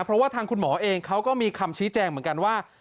เพราะว่าทางคุณหมอเองเขาก็มีคำชี้แจงเหมือนกันว่า